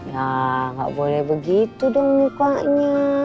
ya nggak boleh begitu dong mukanya